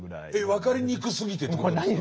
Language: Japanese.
分かりにくすぎてってことですか？